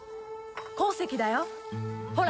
鉱石だよほら